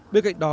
bên cạnh đó